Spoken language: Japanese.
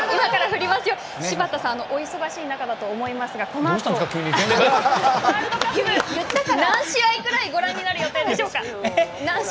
柴田さんもお忙しい中だと思いますが何試合ぐらいご覧になる予定ですか。